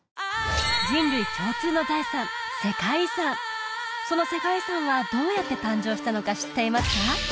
人類共通の財産世界遺産その世界遺産はどうやって誕生したのか知っていますか？